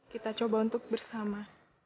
kita coba untuk bersama